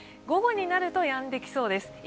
午後になるとやんできそうです。